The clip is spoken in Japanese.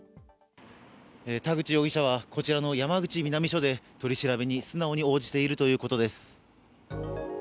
田口容疑者はこちらの山口南署で取り調べに素直に応じているということです。